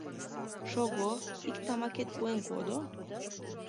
— Шого, ик тамакет пуэн кодо?..